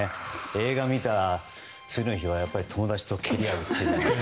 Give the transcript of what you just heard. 映画見た次の日は友達と蹴り合うってね。